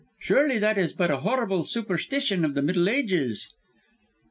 Surely that is but a horrible superstition of the Middle Ages!"